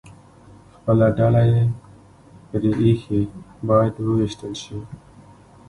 خپله ډله یې پرې ایښې، باید ووېشتل شي.